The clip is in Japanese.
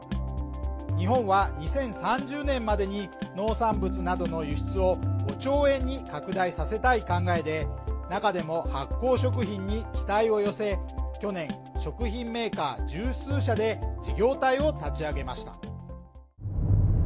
日本は２０３０年までに農産物などの輸出を５兆円に拡大させたい考えで、中でも発酵食品に期待を寄せ、去年、食品メーカー十数社で事業体を立ち上げました。